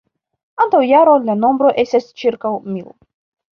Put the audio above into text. Antaŭ jaro, la nombro estis ĉirkaŭ mil.